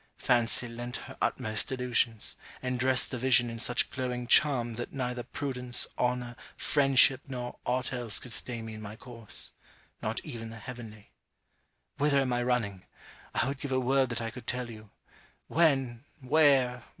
Fancy lent her utmost delusions, and dressed the vision in such glowing charms that neither prudence, honour, friendship, nor aught else could stay me in my course not even the heavenly Whither am I running! I would give a world that I could tell you When! where!